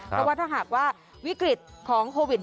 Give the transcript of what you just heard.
เพราะว่าถ้าหากว่าวิกฤตของโควิด